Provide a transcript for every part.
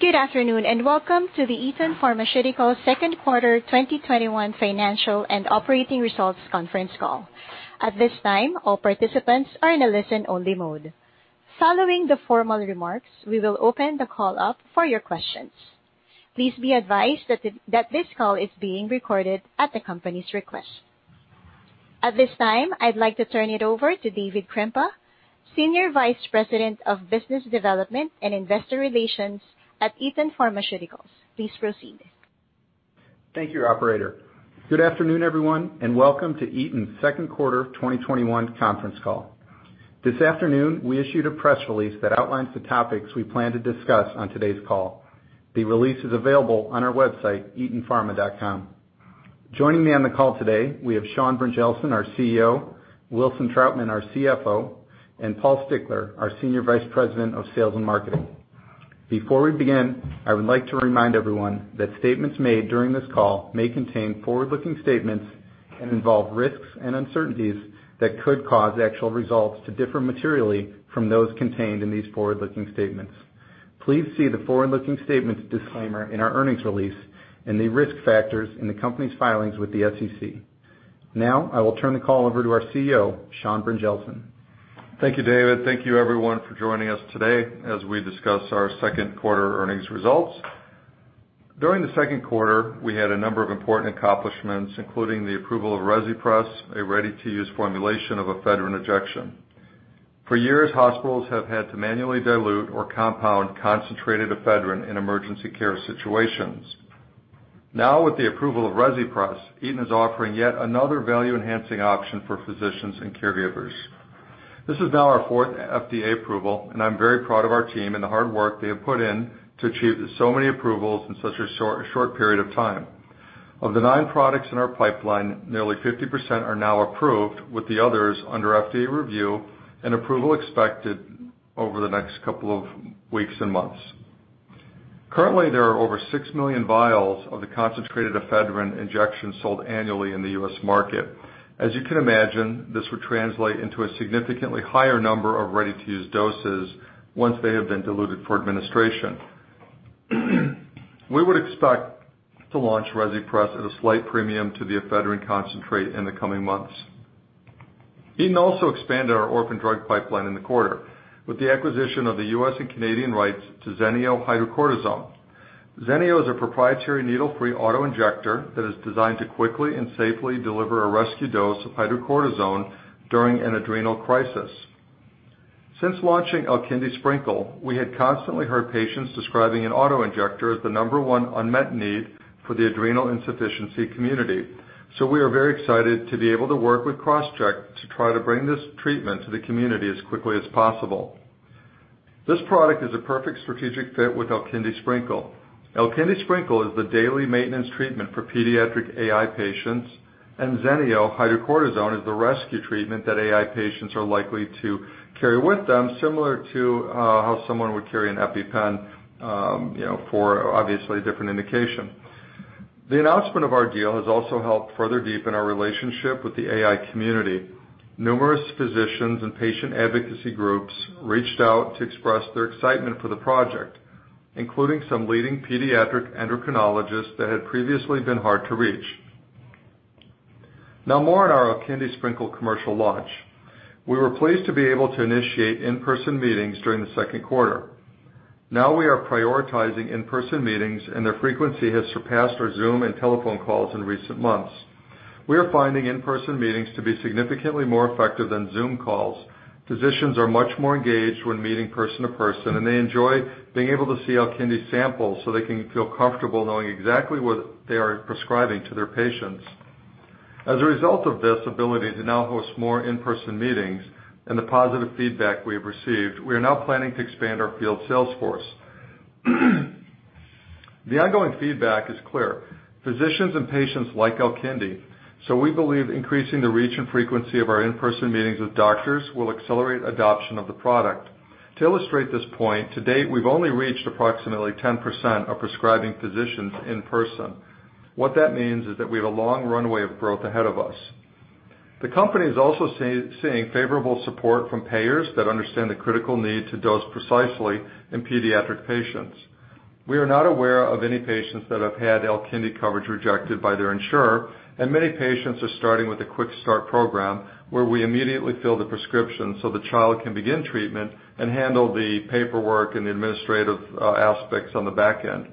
Good afternoon, and welcome to the Eton Pharmaceuticals second quarter 2021 financial and operating results conference call. At this time, all participants are in a listen-only mode. Following the formal remarks, we will open the call up for your questions. Please be advised that this call is being recorded at the company's request. At this time, I'd like to turn it over to David Krempa, Senior Vice President of Business Development and Investor Relations at Eton Pharmaceuticals. Please proceed. Thank you, operator. Good afternoon, everyone, and welcome to Eton's Q2 2021 conference call. This afternoon, we issued a press release that outlines the topics we plan to discuss on today's call. The release is available on our website, etonpharma.com. Joining me on the call today, we have Sean Brynjelsen, our CEO; Wilson Troutman, our CFO; and Paul Stickler, our Senior Vice President of Sales and Marketing. Before we begin, I would like to remind everyone that statements made during this call may contain forward-looking statements and involve risks and uncertainties that could cause actual results to differ materially from those contained in these forward-looking statements. Please see the forward-looking statements disclaimer in our earnings release and the risk factors in the company's filings with the SEC. Now, I will turn the call over to our CEO, Sean Brynjelsen. Thank you, David. Thank you, everyone, for joining us today as we discuss our second quarter earnings results. During the second quarter, we had a number of important accomplishments, including the approval of Rezipres, a ready-to-use formulation of ephedrine injection. For years, hospitals have had to manually dilute or compound concentrated ephedrine in emergency care situations. With the approval of Rezipres, Eton is offering yet another value-enhancing option for physicians and caregivers. This is now our fourth FDA approval, and I'm very proud of our team and the hard work they have put in to achieve so many approvals in such a short period of time. Of the nine products in our pipeline, nearly 50% are now approved, with the others under FDA review and approval expected over the next couple of weeks and months. Currently, there are over 6 million vials of the concentrated ephedrine injection sold annually in the U.S. market. As you can imagine, this would translate into a significantly higher number of ready-to-use doses once they have been diluted for administration. We would expect to launch Rezipres at a slight premium to the ephedrine concentrate in the coming months. Eton also expanded our orphan drug pipeline in the quarter with the acquisition of the U.S. and Canadian rights to ZENEO hydrocortisone. ZENEO is a proprietary needle-free auto-injector that is designed to quickly and safely deliver a rescue dose of hydrocortisone during an adrenal crisis. Since launching ALKINDI SPRINKLE, we had constantly heard patients describing an auto-injector as the number one unmet need for the adrenal insufficiency community. We are very excited to be able to work with CROSSJECT to try to bring this treatment to the community as quickly as possible. This product is a perfect strategic fit with ALKINDI SPRINKLE. ALKINDI SPRINKLE is the daily maintenance treatment for pediatric AI patients, and ZENEO hydrocortisone is the rescue treatment that AI patients are likely to carry with them, similar to how someone would carry an EpiPen for obviously a different indication. The announcement of our deal has also helped further deepen our relationship with the AI community. Numerous physicians and patient advocacy groups reached out to express their excitement for the project, including some leading pediatric endocrinologists that had previously been hard to reach. More on our ALKINDI SPRINKLE commercial launch. We were pleased to be able to initiate in-person meetings during the second quarter. We are prioritizing in-person meetings, and their frequency has surpassed our Zoom and telephone calls in recent months. We are finding in-person meetings to be significantly more effective than Zoom calls. Physicians are much more engaged when meeting person to person, and they enjoy being able to see ALKINDI samples so they can feel comfortable knowing exactly what they are prescribing to their patients. As a result of this ability to now host more in-person meetings and the positive feedback we have received, we are now planning to expand our field sales force. The ongoing feedback is clear. Physicians and patients like ALKINDI, we believe increasing the reach and frequency of our in-person meetings with doctors will accelerate adoption of the product. To illustrate this point, to date, we've only reached approximately 10% of prescribing physicians in person. What that means is that we have a long runway of growth ahead of us. The company is also seeing favorable support from payers that understand the critical need to dose precisely in pediatric patients. We are not aware of any patients that have had ALKINDI coverage rejected by their insurer, and many patients are starting with a Quick Start program where we immediately fill the prescription so the child can begin treatment and handle the paperwork and the administrative aspects on the back end.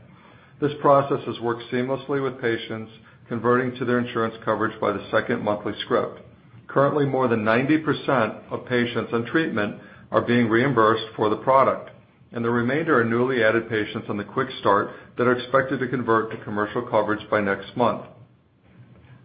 This process has worked seamlessly with patients converting to their insurance coverage by the second monthly script. Currently, more than 90% of patients on treatment are being reimbursed for the product, and the remainder are newly added patients on the Quick Start that are expected to convert to commercial coverage by next month.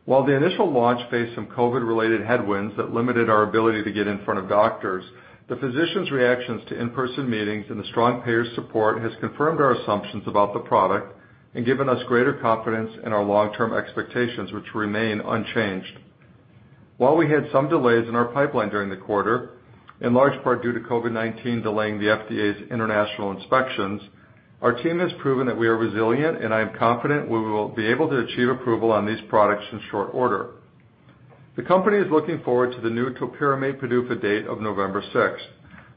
The initial launch faced some COVID-related headwinds that limited our ability to get in front of doctors, the physicians' reactions to in-person meetings and the strong payer support has confirmed our assumptions about the product and given us greater confidence in our long-term expectations, which remain unchanged. We had some delays in our pipeline during the quarter, in large part due to COVID-19 delaying the FDA's international inspections, our team has proven that we are resilient, and I am confident we will be able to achieve approval on these products in short order. The company is looking forward to the new topiramate PDUFA date of November 6th.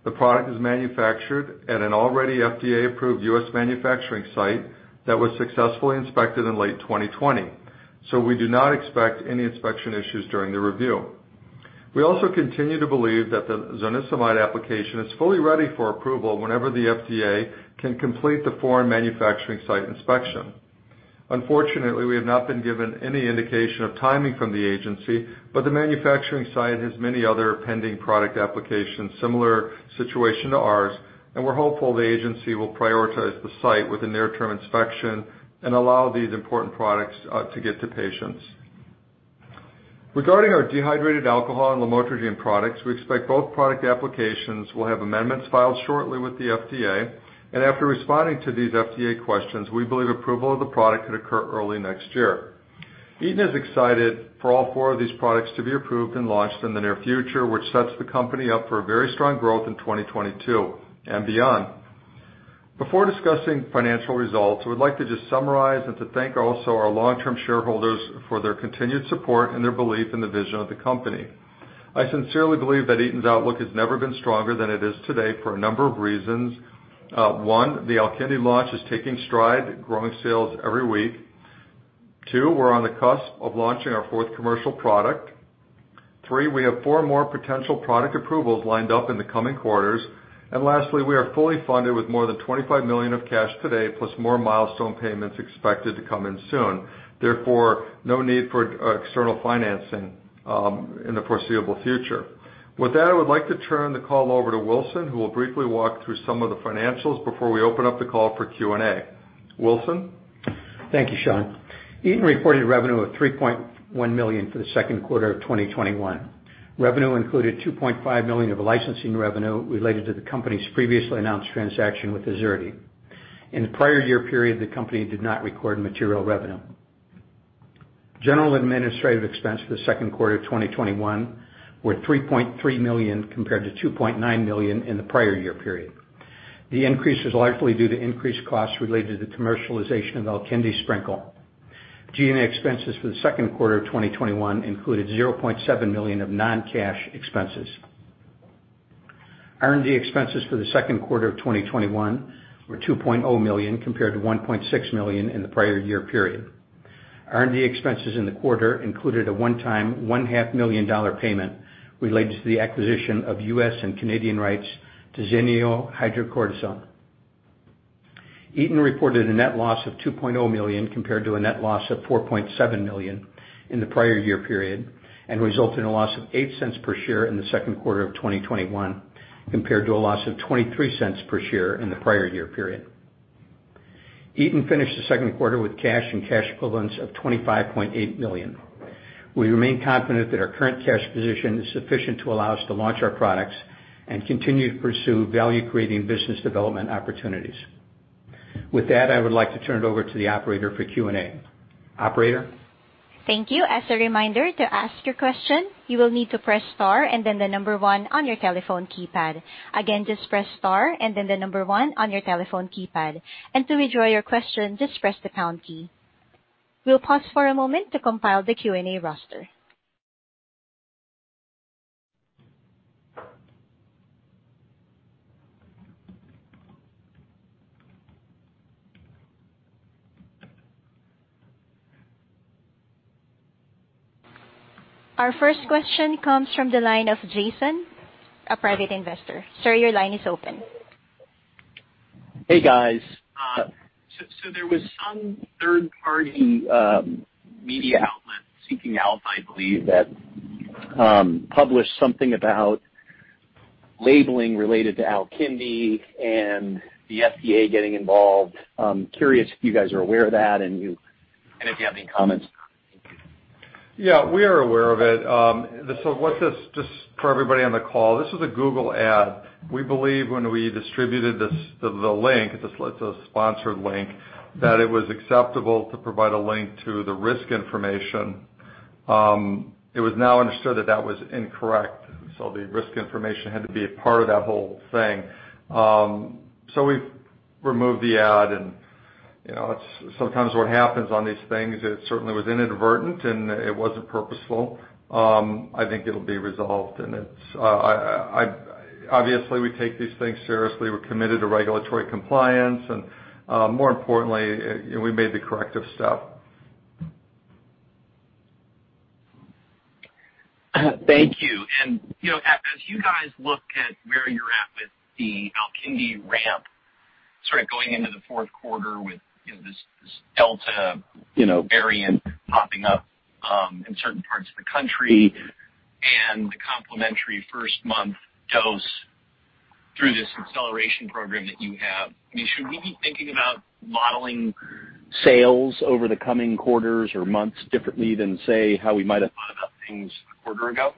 The product is manufactured at an already FDA-approved U.S. manufacturing site that was successfully inspected in late 2020. We do not expect any inspection issues during the review. We also continue to believe that the zonisamide application is fully ready for approval whenever the FDA can complete the foreign manufacturing site inspection. Unfortunately, we have not been given any indication of timing from the agency, but the manufacturing site has many other pending product applications, similar situation to ours, and we're hopeful the agency will prioritize the site with a near-term inspection and allow these important products to get to patients. Regarding our dehydrated alcohol and lamotrigine products, we expect both product applications will have amendments filed shortly with the FDA. After responding to these FDA questions, we believe approval of the product could occur early next year. Eton is excited for all four of these products to be approved and launched in the near future, which sets the company up for a very strong growth in 2022 and beyond. Before discussing financial results, I would like to just summarize and to thank also our long-term shareholders for their continued support and their belief in the vision of the company. I sincerely believe that Eton's outlook has never been stronger than it is today for a number of reasons. One, the ALKINDI launch is taking stride, growing sales every week. Two, we're on the cusp of launching our fourth commercial product. Three, we have four more potential product approvals lined up in the coming quarters. Lastly, we are fully funded with more than $25 million of cash today, plus more milestone payments expected to come in soon. Therefore, no need for external financing in the foreseeable future. With that, I would like to turn the call over to Wilson, who will briefly walk through some of the financials before we open up the call for Q&A. Wilson? Thank you, Sean. Eton reported revenue of $3.1 million for the second quarter of 2021. Revenue included $2.5 million of licensing revenue related to the company's previously announced transaction with Azurity. In the prior year period, the company did not record material revenue. General administrative expense for the second quarter of 2021 were $3.3 million compared to $2.9 million in the prior year period. The increase is likely due to increased costs related to the commercialization of ALKINDI SPRINKLE. G&A expenses for the second quarter of 2021 included $0.7 million of non-cash expenses. R&D expenses for the second quarter of 2021 were $2.0 million, compared to $1.6 million in the prior year period. R&D expenses in the quarter included a one-time $1.5 million payment related to the acquisition of U.S. and Canadian rights to ZENEO hydrocortisone. Eton reported a net loss of $2.0 million compared to a net loss of $4.7 million in the prior year period, and resulted in a loss of $0.08 per share in the second quarter of 2021 compared to a loss of $0.23 per share in the prior year period. Eton finished the second quarter with cash and cash equivalents of $25.8 million. We remain confident that our current cash position is sufficient to allow us to launch our products and continue to pursue value-creating business development opportunities. With that, I would like to turn it over to the operator for Q&A. Operator? Thank you. As a reminder, to ask your question, you will need to press star and then the number one on your telephone keypad. Again, just press star and then the number one on your telephone keypad. To withdraw your question, just press the pound key. We'll pause for a moment to compile the Q&A roster. Our first question comes from the line of [Jason], a Private Investor. Sir, your line is open. Hey, guys. There was some third-party media outlet, Seeking Alpha, I believe, that published something about labeling related to ALKINDI and the FDA getting involved. Curious if you guys are aware of that and if you have any comments. Thank you. We are aware of it. Just for everybody on the call, this was a Google ad. We believe when we distributed the link, it's a sponsored link, that it was acceptable to provide a link to the risk information. It was now understood that that was incorrect. The risk information had to be a part of that whole thing. We've removed the ad and it's sometimes what happens on these things. It certainly was inadvertent, and it wasn't purposeful. I think it'll be resolved and obviously, we take these things seriously. We're committed to regulatory compliance and, more importantly, we made the corrective step. Thank you. As you guys look at where you're at with the ALKINDI ramp, sort of going into the fourth quarter with this Delta variant popping up in certain parts of the country and the complementary first-month dose through this acceleration program that you have, should we be thinking about modeling sales over the coming quarters or months differently than, say, how we might have thought about things a quarter ago?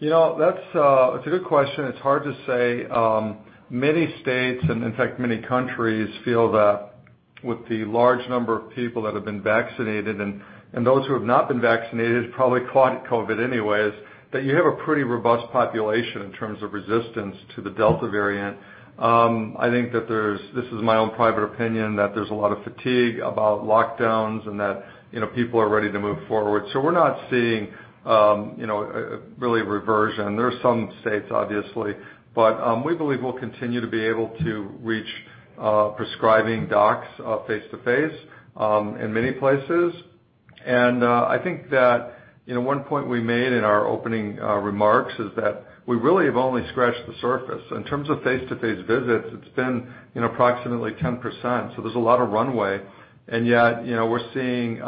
It's a good question. It's hard to say. Many states, and in fact many countries, feel that with the large number of people that have been vaccinated, and those who have not been vaccinated probably caught COVID anyways, that you have a pretty robust population in terms of resistance to the Delta variant. I think that there's, this is my own private opinion, that there's a lot of fatigue about lockdowns and that people are ready to move forward. We're not seeing really a reversion. There are some states, obviously. We believe we'll continue to be able to reach prescribing docs face-to-face in many places. I think that one point we made in our opening remarks is that we really have only scratched the surface. In terms of face-to-face visits, it's been approximately 10%, so there's a lot of runway. Yet, we're seeing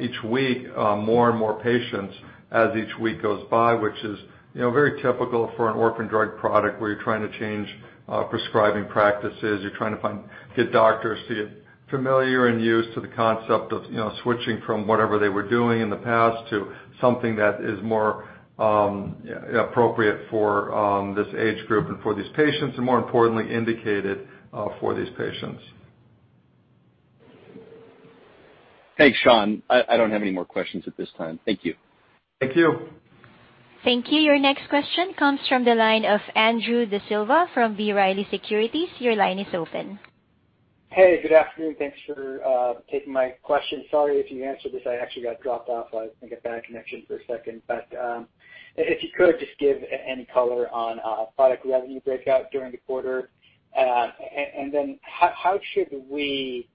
each week, more and more patients as each week goes by, which is very typical for an orphan drug product where you're trying to change prescribing practices. You're trying to get doctors to get familiar and used to the concept of switching from whatever they were doing in the past to something that is more appropriate for this age group and for these patients, and more importantly, indicated for these patients. Thanks, Sean. I don't have any more questions at this time. Thank you. Thank you. Thank you. Your next question comes from the line of Andrew D'Silva from B. Riley Securities. Your line is open. Hey, good afternoon. Thanks for taking my question. Sorry if you answered this, I actually got dropped off. I think a bad connection for a second. If you could, just give any color on product revenue breakout during the quarter. How should we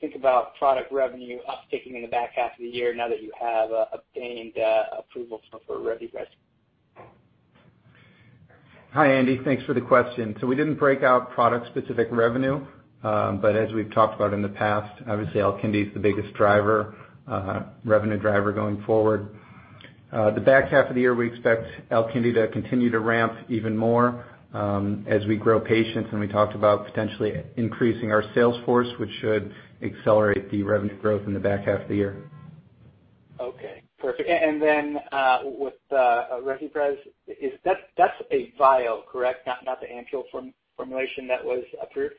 think about product revenue upticking in the back half of the year now that you have obtained approval for Rezipres? Hi, Andy. Thanks for the question. We didn't break out product specific revenue. As we've talked about in the past, obviously, ALKINDI's the biggest driver, revenue driver going forward. The back half of the year, we expect ALKINDI to continue to ramp even more as we grow patients, and we talked about potentially increasing our sales force, which should accelerate the revenue growth in the back half of the year. Okay. Perfect. With Rezipres, that's a vial, correct? Not the ampoule formulation that was approved?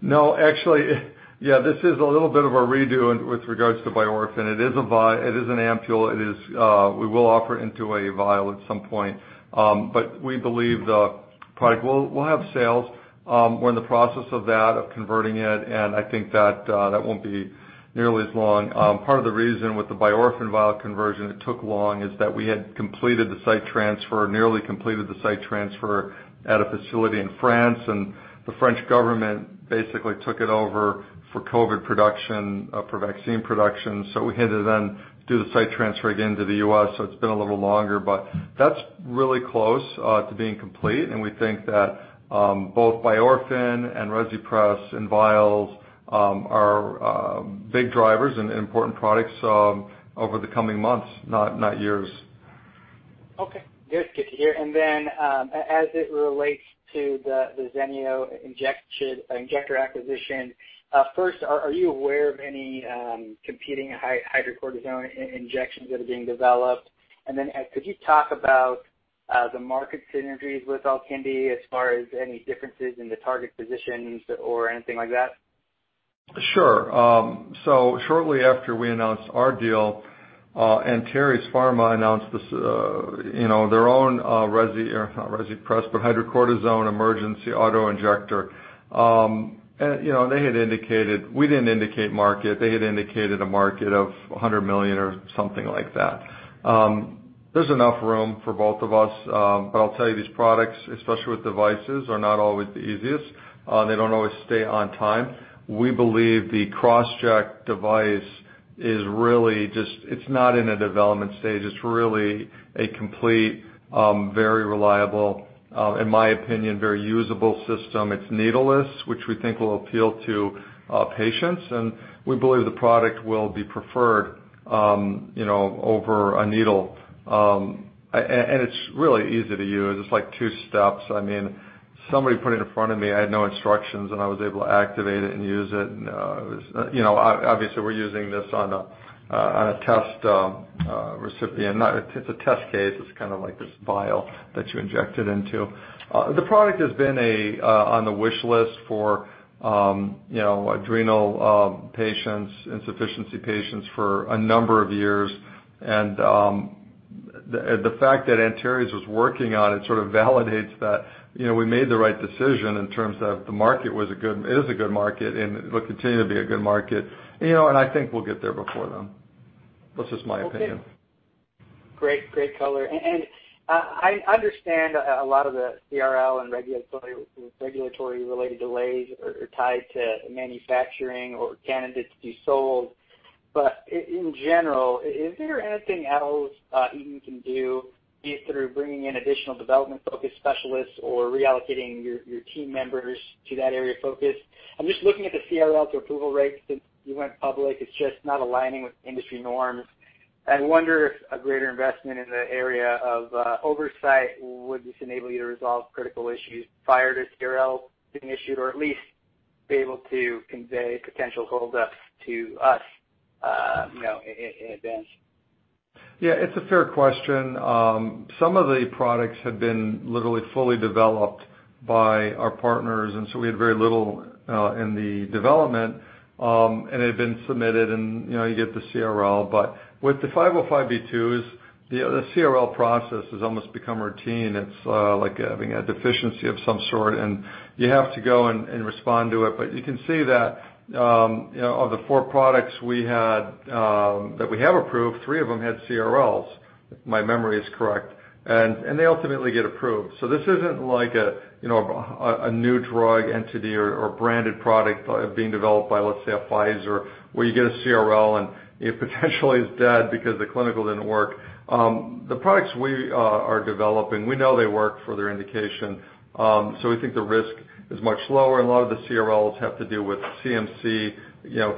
No, actually. Yeah, this is a little bit of a redo with regards to Biorphen. It is an ampoule. We will offer it into a vial at some point. We believe the product will have sales. We're in the process of that, of converting it, and I think that won't be nearly as long. Part of the reason with the Biorphen vial conversion it took long is that we had completed the site transfer, nearly completed the site transfer at a facility in France, and the French government basically took it over for COVID production, for vaccine production. We had to then do the site transfer again to the U.S., so it's been a little longer. That's really close to being complete, and we think that both Biorphen and Rezipres and vials are big drivers and important products over the coming months, not years. Okay. Good to hear. As it relates to the ZENEO injector acquisition, first, are you aware of any competing hydrocortisone injections that are being developed? Could you talk about the market synergies with ALKINDI as far as any differences in the target positions or anything like that? Sure. Shortly after we announced our deal, Antares Pharma announced their own or not Rezipres, but hydrocortisone emergency auto-injector. We didn't indicate market, they had indicated a market of $100 million or something like that. There's enough room for both of us. I'll tell you, these products, especially with devices, are not always the easiest. They don't always stay on time. We believe the CROSSJECT device is really just, it's not in a development stage. It's really a complete, very reliable, in my opinion, very usable system. It's needleless, which we think will appeal to patients, and we believe the product will be preferred over a needle. It's really easy to use. It's like two steps. Somebody put it in front of me, I had no instructions, and I was able to activate it and use it. Obviously, we're using this on a test recipient. It's a test case. It's kind of like this vial that you inject it into. The product has been on the wish list for adrenal patients, insufficiency patients for a number of years. The fact that Antares Pharma was working on it sort of validates that we made the right decision in terms of the market is a good market and will continue to be a good market. I think we'll get there before them. That's just my opinion. Okay. Great color. I understand a lot of the CRL and regulatory-related delays are tied to manufacturing or candidates to be sold. In general, is there anything else Eton can do, be it through bringing in additional development-focused specialists or reallocating your team members to that area of focus? I'm just looking at the CRL to approval rates since you went public. It's just not aligning with industry norms. I wonder if a greater investment in the area of oversight would just enable you to resolve critical issues prior to CRL being issued or at least be able to convey potential holdups to us in advance. Yeah, it's a fair question. Some of the products have been literally fully developed by our partners, we had very little in the development. They've been submitted, and you get the CRL. With the 505(b)(2)s, the CRL process has almost become routine. It's like having a deficiency of some sort, and you have to go and respond to it. You can see that of the four products that we have approved, three of them had CRLs, if my memory is correct. They ultimately get approved. This isn't like a new drug entity or branded product being developed by, let's say, a Pfizer, where you get a CRL, and it potentially is dead because the clinical didn't work. The products we are developing, we know they work for their indication, we think the risk is much lower. A lot of the CRLs have to do with CMC,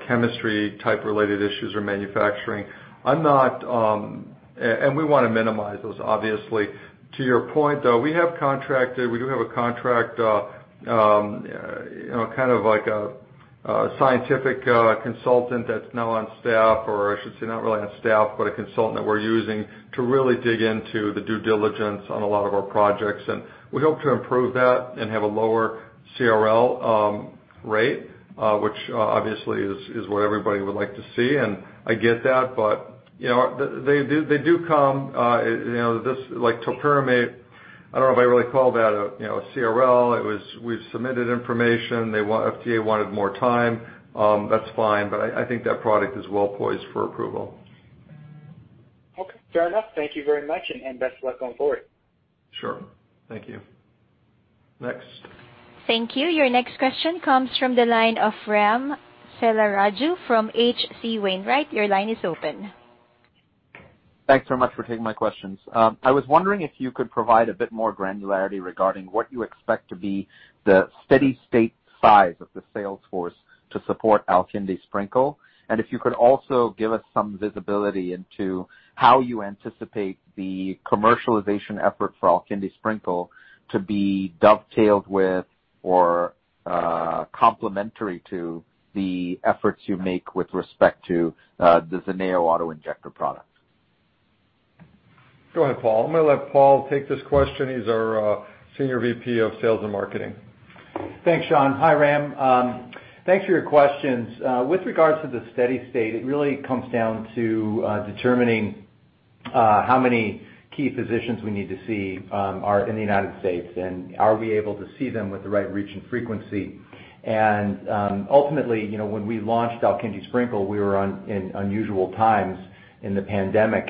chemistry-type related issues or manufacturing. We want to minimize those, obviously. To your point, though, we do have a contract, kind of like a scientific consultant that's now on staff. I should say, not really on staff, but a consultant that we're using to really dig into the due diligence on a lot of our projects. We hope to improve that and have a lower CRL rate, which obviously is what everybody would like to see, and I get that. They do come. Like topiramate, I don't know if I really call that a CRL. We've submitted information. FDA wanted more time. That's fine, but I think that product is well-poised for approval. Okay. Fair enough. Thank you very much, and best of luck going forward. Sure. Thank you. Next. Thank you. Your next question comes from the line of Ram Selvaraju from H.C. Wainwright. Your line is open. Thanks very much for taking my questions. I was wondering if you could provide a bit more granularity regarding what you expect to be the steady state size of the sales force to support ALKINDI SPRINKLE, and if you could also give us some visibility into how you anticipate the commercialization effort for ALKINDI SPRINKLE to be dovetailed with or complementary to the efforts you make with respect to the ZENEO auto-injector product. Go ahead, Paul. I'm going to let Paul take this question. He's our Senior VP of Sales and Marketing. Thanks, Sean. Hi, Ram. Thanks for your questions. With regards to the steady state, it really comes down to determining how many key physicians we need to see are in the U.S., and are we able to see them with the right reach and frequency. Ultimately, when we launched ALKINDI SPRINKLE, we were in unusual times in the pandemic.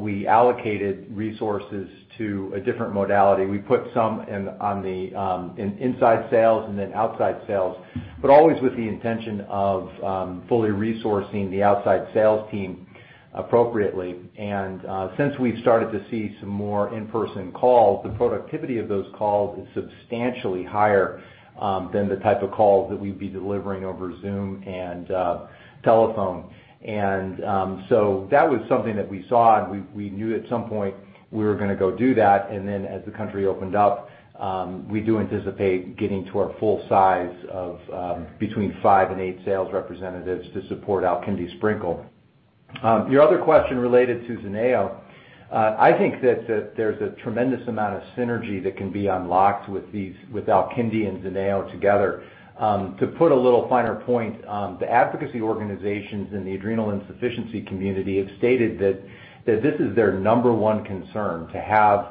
We allocated resources to a different modality. We put some in inside sales and then outside sales, but always with the intention of fully resourcing the outside sales team appropriately. Since we've started to see some more in-person calls, the productivity of those calls is substantially higher than the type of calls that we'd be delivering over Zoom and telephone. That was something that we saw, and we knew at some point we were going to go do that. As the country opened up, we do anticipate getting to our full size of between five and eight sales representatives to support ALKINDI SPRINKLE. Your other question related to ZENEO. I think that there's a tremendous amount of synergy that can be unlocked with ALKINDI and ZENEO together. To put a little finer point, the advocacy organizations in the adrenal insufficiency community have stated that this is their number one concern, to have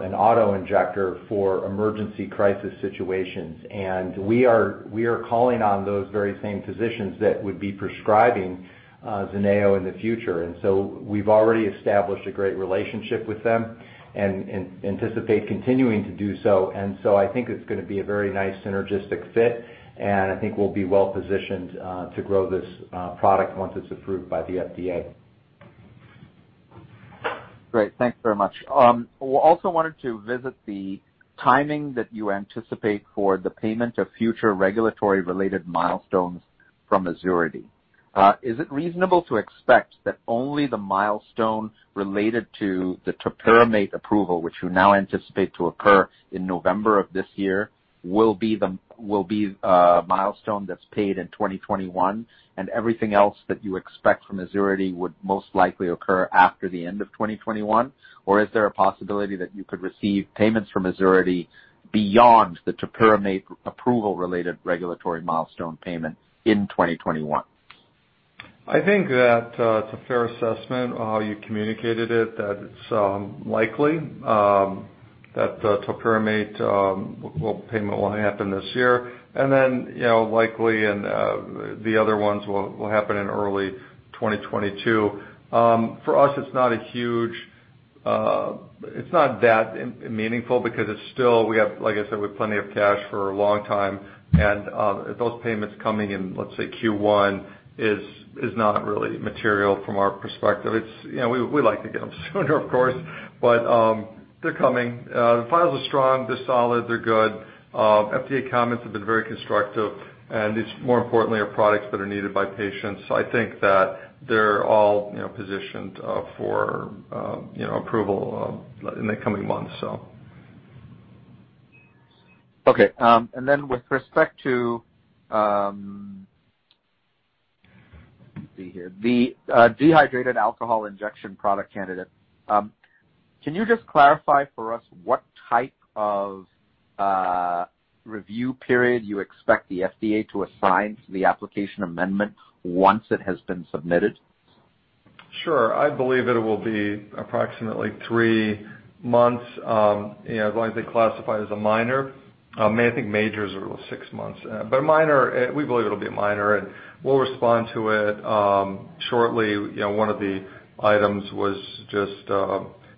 an auto-injector for emergency crisis situations. We are calling on those very same physicians that would be prescribing ZENEO in the future. We've already established a great relationship with them and anticipate continuing to do so. I think it's going to be a very nice synergistic fit, and I think we'll be well-positioned to grow this product once it's approved by the FDA. Great. Thanks very much. Also wanted to visit the timing that you anticipate for the payment of future regulatory-related milestones from Azurity. Is it reasonable to expect that only the milestone related to the topiramate approval, which you now anticipate to occur in November of this year, will be a milestone that's paid in 2021, and everything else that you expect from Azurity would most likely occur after the end of 2021? Or is there a possibility that you could receive payments from Azurity beyond the topiramate approval-related regulatory milestone payment in 2021? I think that it's a fair assessment, how you communicated it, that it's likely that topiramate payment will happen this year. Likely, the other ones will happen in early 2022. For us, it's not that meaningful because it's still, like I said, we have plenty of cash for a long time, and those payments coming in, let's say Q1, is not really material from our perspective. We like to get them sooner, of course. They're coming. The files are strong. They're solid. They're good. FDA comments have been very constructive, and these, more importantly, are products that are needed by patients. I think that they're all positioned for approval in the coming months. Okay. With respect to the dehydrated alcohol injection product candidate, can you just clarify for us what type of review period you expect the FDA to assign to the application amendment once it has been submitted? Sure. I believe it will be approximately three months, as long as they classify it as a minor. I think major is six months. We believe it'll be a minor, and we'll respond to it shortly. One of the items was just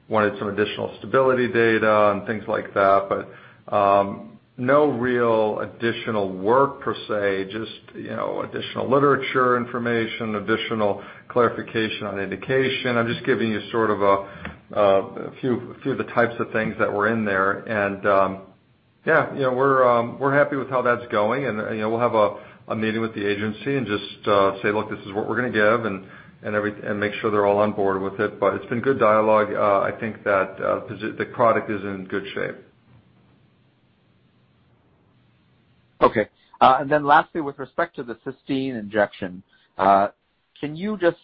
wanted some additional stability data and things like that, but no real additional work per se, just additional literature information, additional clarification on indication. I'm just giving you sort of a few of the types of things that were in there. Yeah, we're happy with how that's going, and we'll have a meeting with the agency and just say, "Look, this is what we're going to give," and make sure they're all on board with it. It's been good dialogue. I think that the product is in good shape. Okay. Lastly, with respect to the cysteine injection, can you just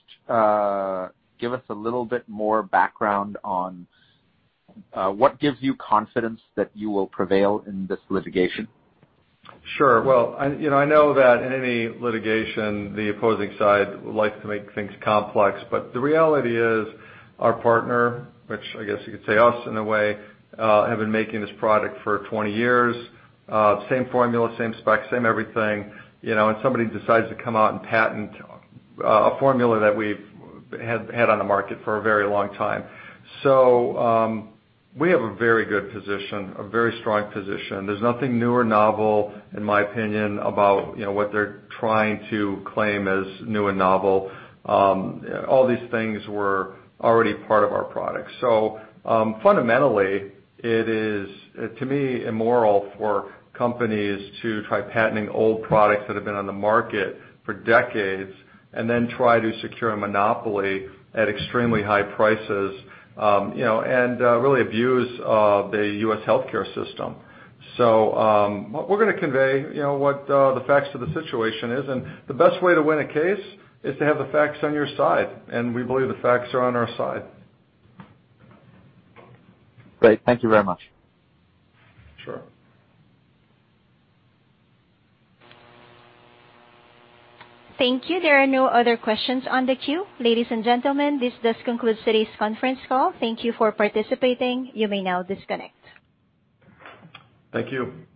give us a little bit more background on what gives you confidence that you will prevail in this litigation? Well, I know that in any litigation, the opposing side likes to make things complex, but the reality is our partner, which I guess you could say us in a way, have been making this product for 20 years. Same formula, same spec, same everything. Somebody decides to come out and patent a formula that we've had on the market for a very long time. We have a very good position, a very strong position. There's nothing new or novel, in my opinion, about what they're trying to claim as new and novel. All these things were already part of our product. Fundamentally, it is, to me, immoral for companies to try patenting old products that have been on the market for decades, and then try to secure a monopoly at extremely high prices, and really abuse the U.S. healthcare system. We're going to convey what the facts of the situation is, and the best way to win a case is to have the facts on your side, and we believe the facts are on our side. Great. Thank you very much. Sure. Thank you. There are no other questions on the queue. Ladies and gentlemen, this does conclude today's conference call. Thank you for participating. You may now disconnect. Thank you.